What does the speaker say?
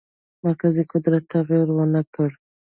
مرکزي قدرت تغییر ونه کړ.